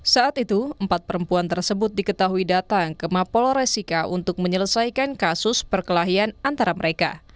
saat itu empat perempuan tersebut diketahui datang ke mapol resika untuk menyelesaikan kasus perkelahian antara mereka